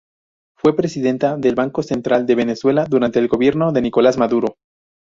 Fue presidenta del Banco Central de Venezuela durante el gobierno de Nicolás Maduro.